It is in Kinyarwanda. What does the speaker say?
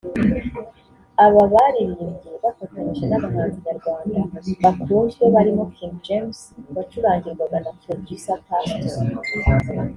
Aba baririmbye bafatanyije n’abahanzi nyarwanda bakunzwe barimo King James wacurangirwaga na Producer Pastor